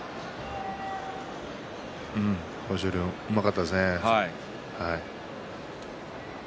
うん、豊昇龍うまかったですね。